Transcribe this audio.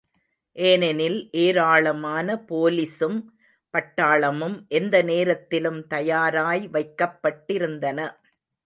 ஏனெனில் ஏராளமான போலிசும் பட்டாளமும் எந்த நேரத்திலும் தயாராய் வைக்கப்பட்டிருந்தன.